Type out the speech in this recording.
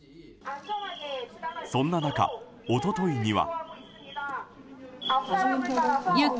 そんな中、一昨日には。